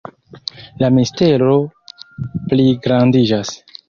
La mistero pligrandiĝas.